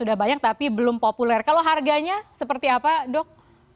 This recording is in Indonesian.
sudah banyak tapi belum populer kalau harganya seperti apa dok